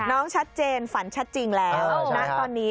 ชัดเจนฝันชัดจริงแล้วณตอนนี้